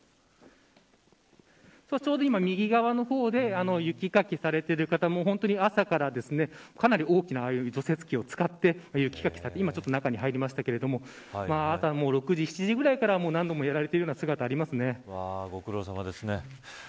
ちょうど今、右側の方で雪かきされている方も本当に朝から、かなり大きな除雪機を使って今、中に入りましたけれども朝６時、７時ぐらいから何度もやられている姿がご苦労さまですね。